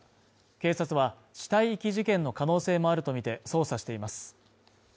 警察は死体遺棄事件の可能性もあるとみて捜査しています